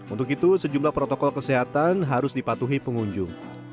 untuk itu sejumlah protokol kesehatan harus dipatuhi pengunjung